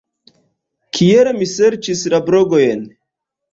Kiel mi serĉis la blogojn?